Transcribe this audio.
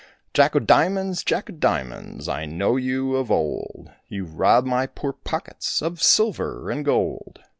Jack o' diamonds, Jack o' diamonds, I know you of old, You've robbed my poor pockets Of silver and gold.